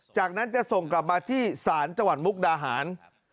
จากนั้นจะส่งกลับมาที่ศาลจังหวัดมุกดาหาร